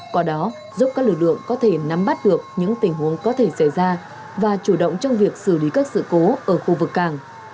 có đó giúp các lực lượng có thể nắm bắt được những tình huống có thể xảy ra và chủ động trong việc xử lý các sự cố ở khu vực cảng